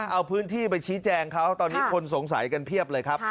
เอาพื้นที่ไปชี้แจงเขาตอนนี้คนสงสัยกันเพียบเลยครับ